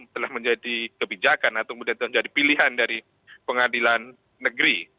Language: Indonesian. telah menjadi kebijakan atau menjadi pilihan dari pengadilan negeri